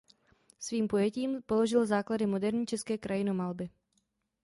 Svým pojetím položil základy moderní české krajinomalby.